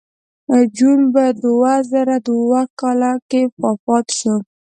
جون په دوه زره دوه کال کې وفات شو